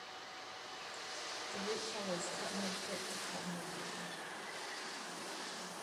The route follows Cottonwood Creek to Cottonwood Lake.